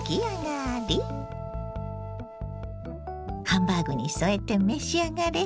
ハンバーグに添えて召し上がれ。